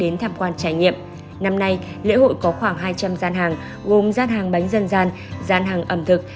năm nay lễ hội có khoảng hai trăm linh gian hàng gồm gian hàng bánh dân gian gian hàng ẩm thực